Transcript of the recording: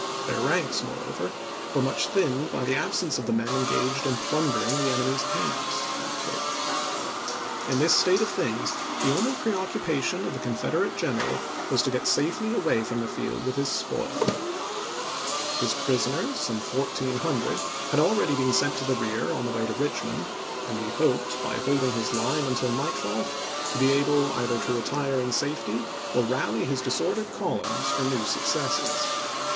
Their ranks, moreover, were much thinned by the ab sence of the men engaged in plundering the enemy's ibid., p. 115. camps. .." In this state of things the only preoc cupation of the Confederate general was to get CEDAR CREEK 323 safely away from the field with his spoil. His pris chap. xiv. oners, some fourteen hundred, had already been sent to the rear on the way to Eichmond and he hoped, by holding his line until nightfall, to be able either to retire in safety or rally his disordered columns for new successes.